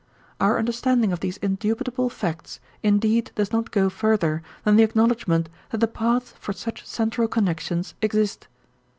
Our understanding of these indubitable facts indeed does not go further than the acknowledgment that the paths for such central connections exist.